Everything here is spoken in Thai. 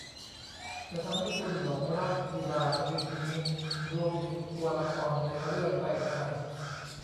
จะทำให้คุณหลงรักกีฬาชนิดนี้รวมถึงตัวละครในเรื่องได้ง่าย